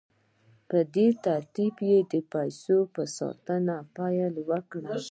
په دې ترتیب یې د پسونو په ساتنه پیل وکړ